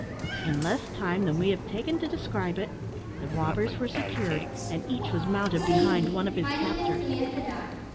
In less time than we have taken to describe it, the robbers were secured, and each was mounted behind one of his captors.